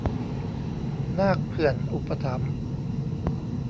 นาคเผื่อนอุปถัมภ์